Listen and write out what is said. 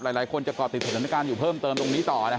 หลายคนจะก่อติดสนับนักงานอยู่เพิ่มเติมตรงนี้ต่อนะครับ